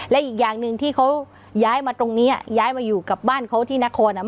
และอีกอย่างหนึ่งที่เขาย้ายมาตรงนี้ย้ายมาอยู่กับบ้านเขาที่นครอ่ะ